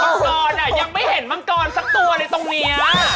กรยังไม่เห็นมังกรสักตัวเลยตรงนี้